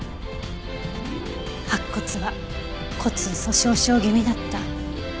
白骨は骨粗鬆症気味だった。